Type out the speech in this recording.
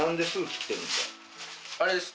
あれです。